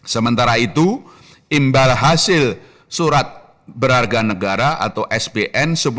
sementara itu imbal hasil surat berharga negara atau sbn